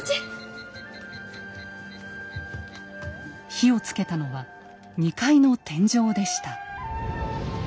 火をつけたのは２階の天井でした。